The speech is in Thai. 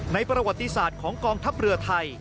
ประวัติศาสตร์ของกองทัพเรือไทย